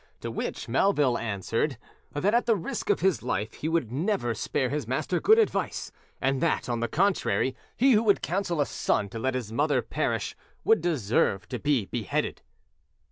To which Melville answered— "That at the risk of his life he would never spare his master good advice; and that, on the contrary, he who would counsel a son to let his mother perish, would deserve to be beheaded."